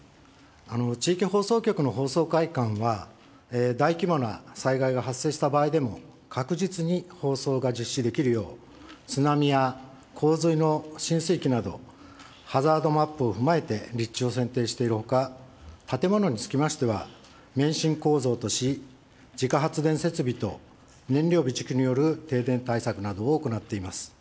地域放送局の放送会館は、大規模な災害が発生した場合でも、確実に放送が実施できるよう、津波や洪水の浸水域など、ハザードマップを踏まえて立地を選定しているほか、建物につきましては免震構造とし、自家発電設備と燃料備蓄による停電対策などを行っています。